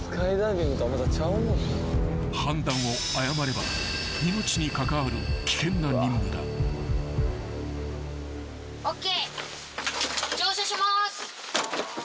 ［判断を誤れば命に関わる危険な任務だ］ＯＫ。